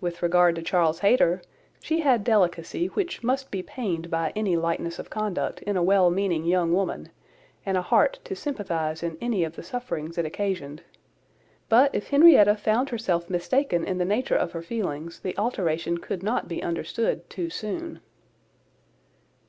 With regard to Charles Hayter, she had delicacy which must be pained by any lightness of conduct in a well meaning young woman, and a heart to sympathize in any of the sufferings it occasioned; but if Henrietta found herself mistaken in the nature of her feelings, the alteration could not be understood too soon.